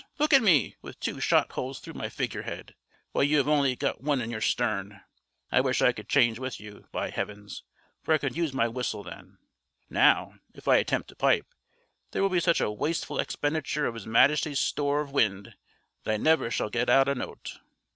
Look at me, with two shot holes through my figurehead, while you have only got one in your stern. I wish I could change with you, by heavens! for I could use my whistle then. Now, if I attempt to pipe, there will be such a wasteful expenditure of his Majesty's store of wind that I never shall get out a note.